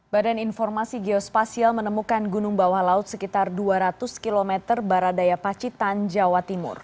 badan informasi geospasial menemukan gunung bawah laut sekitar dua ratus km baradaya pacitan jawa timur